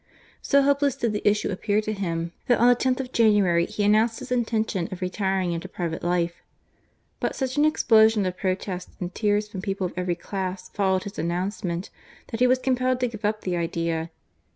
So hopeless did the issue appear to him, that on the loth of January he announced his intention of retiring into private life : but such an explosion of protests and tears from people of every class followed his announcement^ that he was compelled to give up the idea.